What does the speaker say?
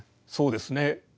そうですね。